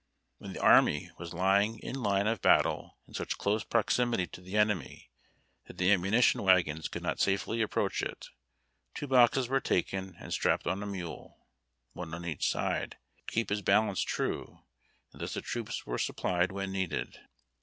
Wlien the army was lying in line of battle in such close proximity to the enemy that the ammunition wagons could not safely approach it, two boxes were taken and strapped on a mule, one on each side, "to keep his balance true," and thus the troops were supplied when needed.